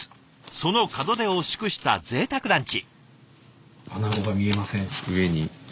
その門出を祝したぜいたくランチ。